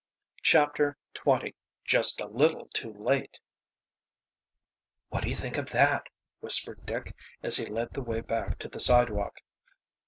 CHAPTER XX JUST A LITTLE TOO LATE "What do you think of that?" whispered Dick, as he led the way back to the sidewalk.